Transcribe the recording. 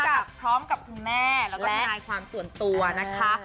กับพร้อมกับคุณแม่แล้วก็ทนายความส่วนตัวนะคะ